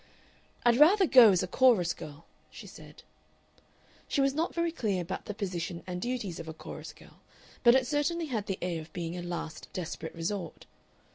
"I'd rather go as a chorus girl," she said. She was not very clear about the position and duties of a chorus girl, but it certainly had the air of being a last desperate resort.